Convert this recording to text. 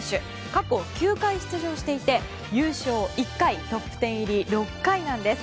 過去９回出場していて優勝１回トップ１０入り６回なんです。